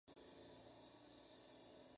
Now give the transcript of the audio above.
Uno de sus alumnos fue Francesco Costa.